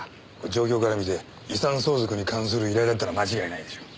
状況から見て遺産相続に関する依頼だったのは間違いないでしょう。